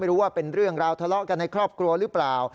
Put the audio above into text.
ว่าเป็นเรื่องราวทะเลาะกันในครอบครัวหรือเปล่า